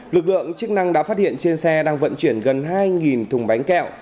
lực lượng chức năng đã phát hiện trên xe đang vận chuyển gần hai thùng bánh kẹo